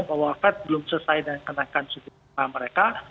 bahwa fed belum selesai dengan kenaikan suku bunga mereka